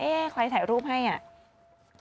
ใครถ่ายรูปให้อ่ะ